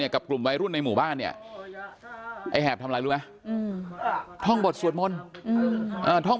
กับกลุ่มวัยรุ่นในหมู่บ้านเนี่ยไอ้แหบทำอะไรรู้ไหมท่องบทสวดมนต์ท่อง